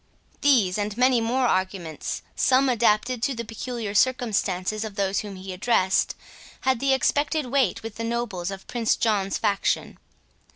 These, and many more arguments, some adapted to the peculiar circumstances of those whom he addressed, had the expected weight with the nobles of Prince John's faction.